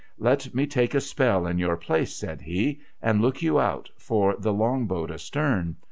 ' Let me take a spell in your place,' says he. 'And look you out for the Long boat astern.